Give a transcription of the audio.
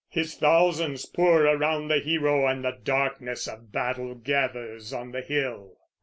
His thousands pour around the hero, and the darkness of battle gathers on the hill.